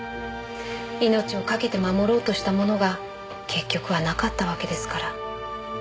命をかけて守ろうとしたものが結局はなかったわけですから。